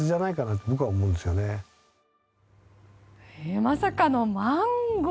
まさかのマンゴー。